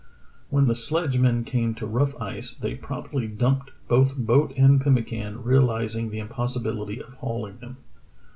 When the sledgemen came to rough ice they promptly dumped both boat and pemmican, realizing the impos sibility of hauHng them.